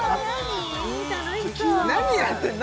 何やってんの？